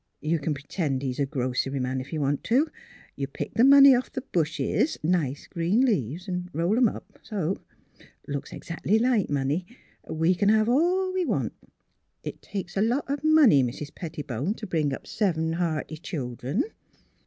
You can p'tend he's a grocery man, if you want to. You pick the money off the bushes — nice green leaves ; roll 'em up, so ! Looks exac'ly like money. We can have all we want. It takes lots of money, Mis' Pettibone, to bring up seven hearty children."